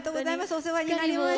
お世話になりました。